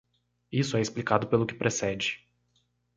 Isso é explicado pelo que precede.